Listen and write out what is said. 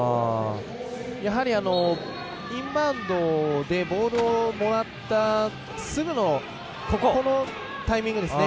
やはりインバウンドでボールをもらったすぐのタイミングですね。